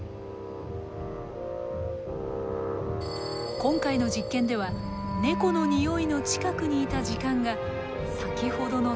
今回の実験ではネコのにおいの近くにいた時間が先ほどの３倍。